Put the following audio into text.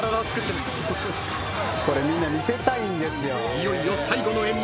［いよいよ最後の演目